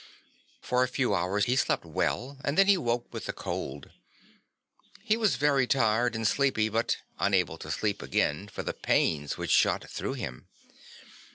For a few hours he slept well and then he woke with the cold. He was very tired and sleepy but unable to sleep again for the pains which shot through him.